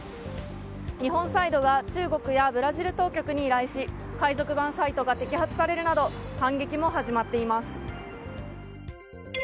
日本サイドが中国やブラジル当局に依頼し海賊版サイトが摘発されるなど反撃も始まっています。